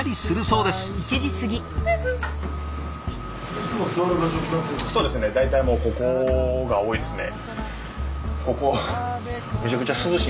そうですね大体ここが多いですね。